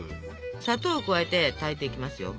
砂糖を加えて炊いていきますよ。